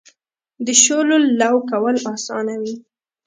د شولو لو کول اسانه وي.